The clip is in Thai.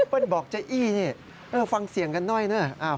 เปิ้ลบอกจ้ะอี้นี่เออฟังเสียงกันหน่อยนะ